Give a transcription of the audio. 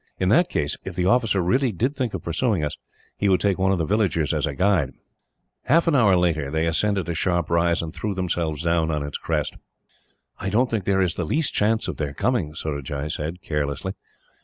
In that case, if the officer really did think of pursuing us, he would take one of the villagers as guide." Half an hour later, they ascended a sharp rise, and threw themselves down on its crest. "I don't think that there is the least chance of their coming," Surajah said, carelessly.